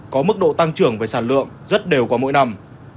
có mức độ tăng trưởng về sản lượng rất đều qua mỗi năm